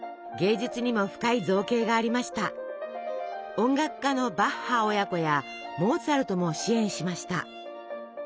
音楽家のバッハ親子やモーツァルトも支援しました。